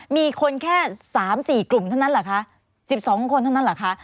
มีคนแค่๓๔กลุ่มเท่านั้นเหรอคะ๑๒คนเท่านั้นเหรอคะ